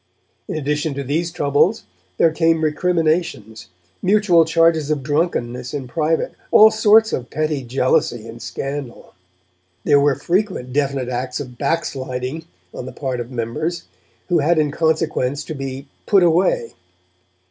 In addition to these troubles, there came recriminations, mutual charges of drunkenness in private, all sorts of petty jealousy and scandal. There were frequent definite acts of 'back sliding' on the part of members, who had in consequence to be 'put away'.